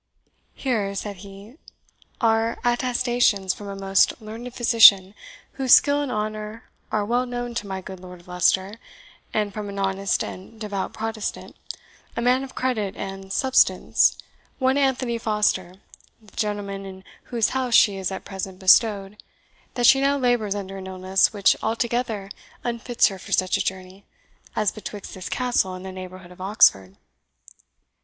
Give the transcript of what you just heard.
"Here," said he, "are attestations from a most learned physician, whose skill and honour are well known to my good Lord of Leicester, and from an honest and devout Protestant, a man of credit and substance, one Anthony Foster, the gentleman in whose house she is at present bestowed, that she now labours under an illness which altogether unfits her for such a journey as betwixt this Castle and the neighbourhood of Oxford."